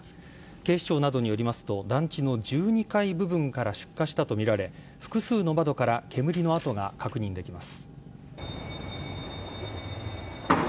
警視庁などによりますと団地の１２階部分から出火したとみられ複数の窓から煙の跡が確認できます。